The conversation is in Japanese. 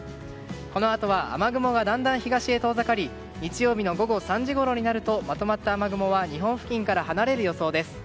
このあとは雨雲がだんだん東へ遠ざかり日曜日の午後３時ぐらいになるとまとまった雨雲は日本付近から離れる予想です。